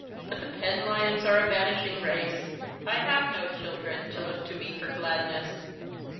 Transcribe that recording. But tlie Penlyons are a vanishing race. I have no children to look to me for gladness.